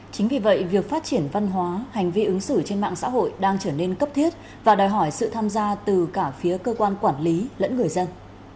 chính vì vậy việc phát triển văn hóa hành vi ứng xử trên mạng xã hội đang trở nên cấp thiết và đòi hỏi sự tham gia từ cả phía cơ quan quản lý lẫn người dân